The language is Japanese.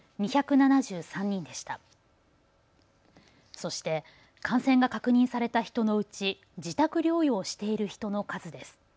そして、感染が確認された人のうち自宅療養をしている人の数です。